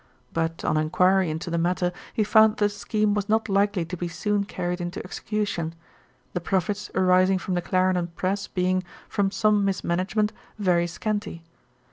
But, on enquiry into the matter, he found that the scheme was not likely to be soon carried into execution; the profits arising from the Clarendon press being, from some mismanagement, very scanty.